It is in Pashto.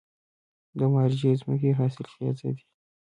د مارجې ځمکې حاصلخیزه دي